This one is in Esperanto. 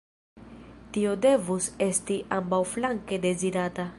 Tio devus esti ambaŭflanke dezirata.